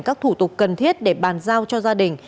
các thủ tục cần thiết để bàn giao cho gia đình